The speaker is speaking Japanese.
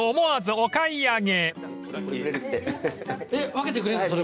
分けてくれんの？